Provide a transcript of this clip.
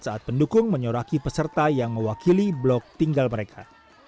saat pendukung menyoraki peserta yang mewakili blok tinggal mereka